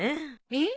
えっ？